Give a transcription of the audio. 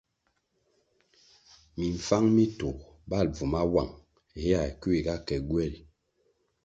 Mimfáng mi tôh bal bvu mawuang héa kuiga ke gyweri.